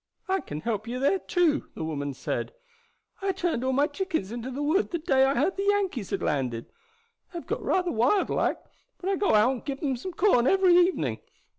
"I can help you there too," the woman said. "I turned all my chickens into the wood the day I heard the Yankees had landed. They have got rather wild like; but I go out and give them some corn every evening.